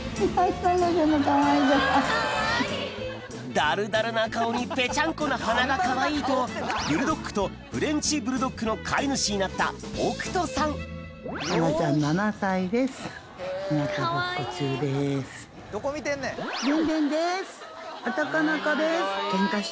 ダルダルな顔にペチャンコな鼻がかわいいとブルドッグとフレンチ・ブルドッグの飼い主になった北斗さんでんでんです男の子です。